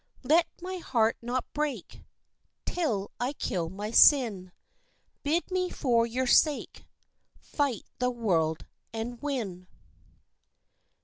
Let my heart not break Till I kill my sin; Bid me for your sake Fight the world and win!